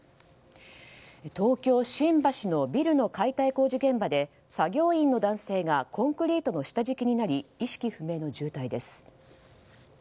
東京・新橋のビルの解体工事現場で作業員の男性がコンクリートの下敷きになり意識不明の重体です。